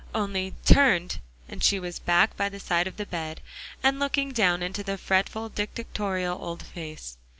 Only turned; and she was back by the side of the bed, and looking down into the fretful, dictatorial old face.